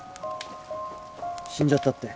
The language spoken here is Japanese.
死んじゃったって。